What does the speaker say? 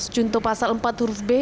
junto pasal empat huruf b